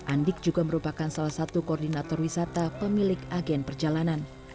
andik juga merupakan salah satu koordinator wisata pemilik agen perjalanan